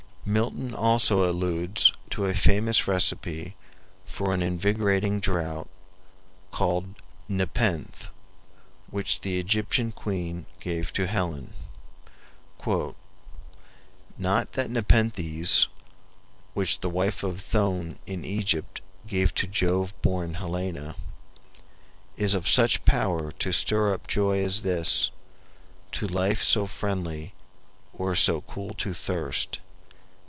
Milton also alludes to a famous recipe for an invigorating draught, called Nepenthe, which the Egyptian queen gave to Helen: "Not that Nepenthes which the wife of Thone In Egypt gave to Jove born Helena, Is of such power to stir up joy as this, To life so friendly or so cool to thirst."